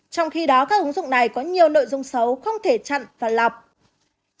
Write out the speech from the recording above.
trong khi đó các ứng dụng này có nhiều nội dung xấu không thể chặn và lọc